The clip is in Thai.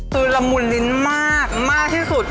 คือละมุนลิ้นมากมากที่สุด